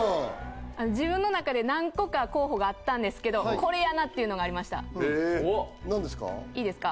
自分の中で何個か候補があったんですけどこれやなっていうのがありました何ですか？